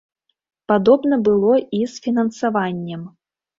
Падобна было і з фінансаваннем.